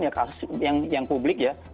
ya kasus yang publik ya